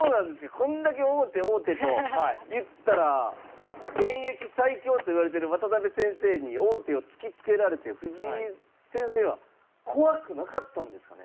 こんだけ王手王手と言ったら現役最強といわれている渡辺先生に王手を突きつけられて藤井先生は怖くなかったんですかね。